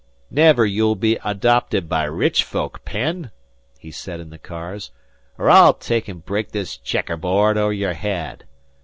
"Never you be adopted by rich folk, Penn," he said in the cars, "or I'll take 'n' break this checker board over your head.